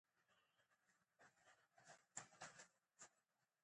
استاد د خپلو کړو وړو د لارې شاګرد ته د ټولنیز تعامل درس ورکوي.